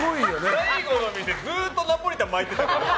最後の店ずっとナポリタン巻いてたから。